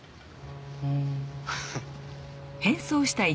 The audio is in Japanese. うん。